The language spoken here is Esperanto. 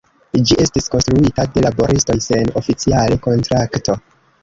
Ĝi estis konstruita de laboristoj sen oficiale kontrakto.